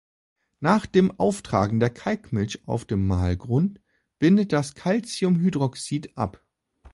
Nach dem Auftragen der Kalkmilch auf den Malgrund bindet das Calciumhydroxid ab.